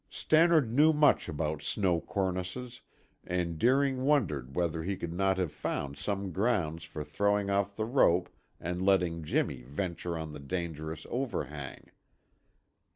Stannard knew much about snow cornices and Deering wondered whether he could not have found some grounds for throwing off the rope and letting Jimmy venture on the dangerous overhang.